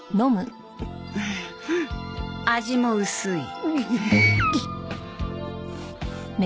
味も薄い。